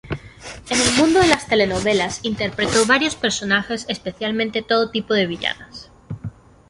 En el mundo de las telenovelas interpretó varios personajes, especialmente todo tipo de villanas.